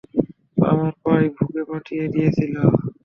আমায় প্রায় ভোগে পাঠিয়ে দিয়েছিলে।